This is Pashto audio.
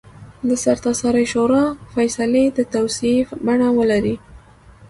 د سرتاسري شورا فیصلې د توصیې بڼه ولري.